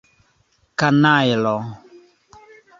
Kanajlo!